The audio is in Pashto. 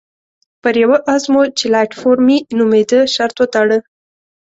پر یوه اس مو چې لایټ فور مي نومېده شرط وتاړه.